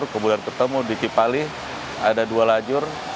kemudian ketemu di cipali ada dua lajur